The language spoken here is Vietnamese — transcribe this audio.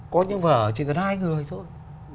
có những vở chỉ cần hai người thôi